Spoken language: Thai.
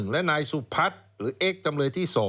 และนายสุพัฒน์หรือเอ็กซ์จำเลยที่๒